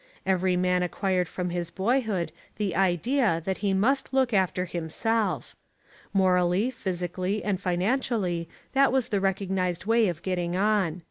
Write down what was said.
Every man acquired from his boyhood the idea that he must look after himself. Morally, physically and financially that was the recognised way of getting on.